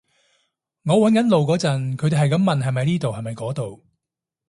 我搵緊路嗰陣，佢哋喺咁問係咪呢度係咪嗰度